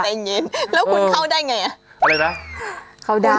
ต่างงี้แล้วคุณเข้าได้ไงอะ